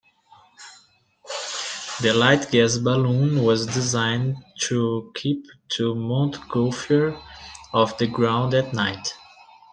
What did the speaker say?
The light-gas balloon was designed to keep the Montgolfiere off the ground at night.